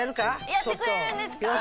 やってくれるんですか？